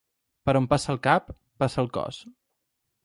Per on passa el cap, passa el cos.